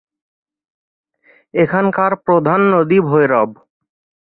এখানকার প্রধান নদী ভৈরব।